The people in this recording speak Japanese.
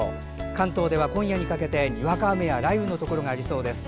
関東では今夜にかけてにわか雨や雷雨のところがありそうです。